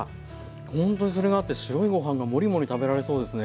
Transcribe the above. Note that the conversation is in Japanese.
ほんとにそれがあって白いご飯がもりもり食べられそうですね。